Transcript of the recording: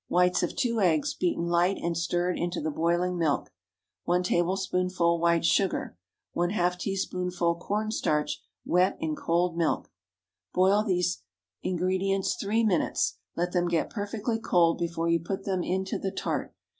Whites of two eggs, beaten light and stirred into the boiling milk. 1 tablespoonful white sugar. ½ teaspoonful corn starch wet in cold milk. Boil these ingredients three minutes; let them get perfectly cold before you put them into the tart.